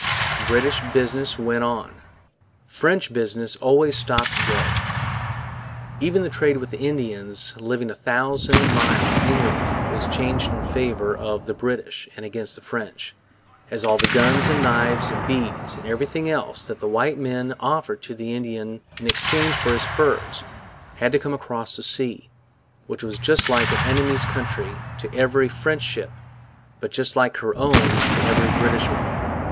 British business went on. French business almost stopped dead. Even the trade with the Indians living a thousand miles inland was changed in favour of the British and against the French, as all the guns and knives and beads and everything else that the white man offered to the Indian in exchange for his furs had to come across the sea, which was just like an enemy's country to every French ship, but just like her own to every British one.